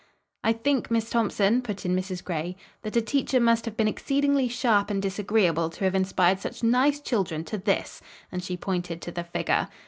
"I think, Miss Thompson," put in Mrs. Gray, "that a teacher must have been exceedingly sharp and disagreeable to have inspired such nice children to this," and she pointed to the figure.